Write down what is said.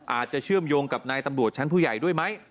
เชื่อมโยงกับนายตำรวจชั้นผู้ใหญ่ด้วยไหม